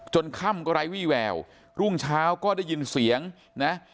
ค่ำก็ไร้วี่แววรุ่งเช้าก็ได้ยินเสียงนะ